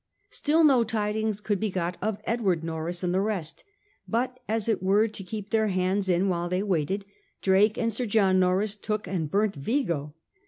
Still no tidings could be got of Edward Norreys and the rest, but, as it were to keep their hands in while they waited, Drake and Sir John Norreys took and burnt Vigo.